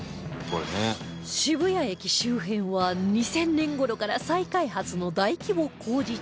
渋谷駅周辺は２０００年頃から再開発の大規模工事中